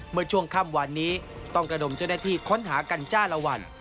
เมื่อช่วงค่ำวันนี้ต้องระดมเจ้าหน้าที่ค้นหากันจ้าละวัน